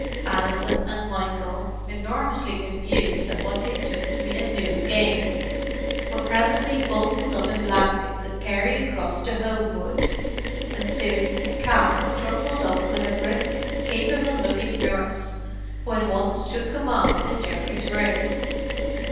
Alison and Michael, enormously amused at what they took to be a new game, were presently bundled up in blankets and carried across to Homewood; and soon a cab trundled up with a brisk, capable looking nurse, who at once took command in Geoffrey's room.